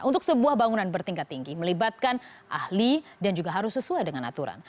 untuk sebuah bangunan bertingkat tinggi melibatkan ahli dan juga harus sesuai dengan aturan